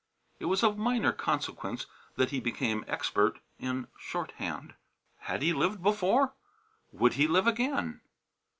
It was of minor consequence that he became expert in shorthand. Had he lived before, would he live again?